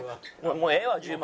もうええわ１０万。